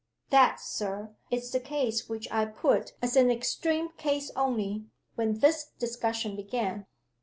That, Sir, is the case which I put as an extreme case only, when this discussion began.